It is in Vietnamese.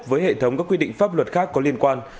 với hệ thống các quy định pháp luật khác có liên quan